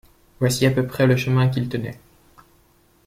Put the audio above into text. Voici à peu près le chemin qu'ils tenaient.